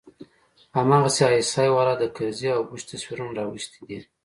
هماغسې آى اس آى والا د کرزي او بوش تصويرونه راوستي دي.